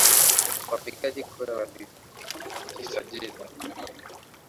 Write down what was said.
Wapigaji kura walijisajili